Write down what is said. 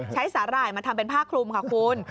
สาหร่ายมาทำเป็นผ้าคลุมค่ะคุณ